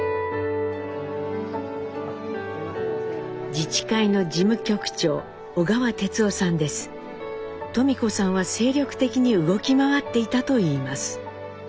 自治会の事務局長登美子さんは精力的に動き回っていたといいます。